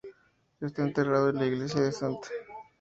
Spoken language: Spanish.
Está enterrado en la iglesia de St.